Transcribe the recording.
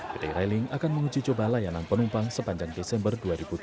pt railing akan menguji coba layanan penumpang sepanjang desember dua ribu delapan belas